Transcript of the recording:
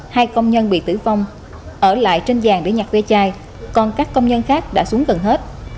hai công nhân bị tử vong ở lại trên dàng để nhặt ve chai còn các công nhân khác đã xuống gần hết